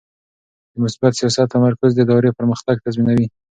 د مثبت سیاست تمرکز د ادارې پرمختګ تضمینوي.